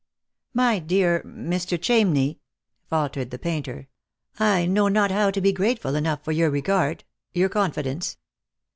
"My dear Mr. Chamney," faltered the painter, "I know not how to be grateful enough for your regard — your confi dence."